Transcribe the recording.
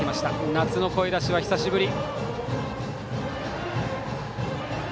夏の声出しは久しぶり。